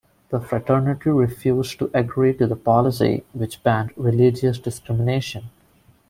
The fraternity refused to agree to the policy, which banned religious discrimination.